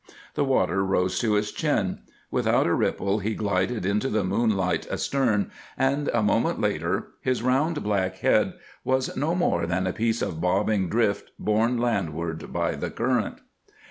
The water rose to his chin. Without a ripple, he glided into the moonlight astern, and a moment later his round, black head was no more than a piece of bobbing drift borne landward by the current.